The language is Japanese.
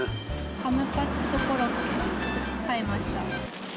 ハムカツとコロッケ買いました。